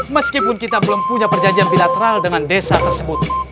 meskipun kita belum punya perjanjian bilateral dengan desa tersebut